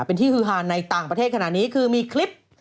เป็นที่ฮือฮาในต่างประเทศขนาดนี้คือมีคลิป